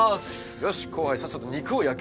よし後輩さっさと肉を焼け。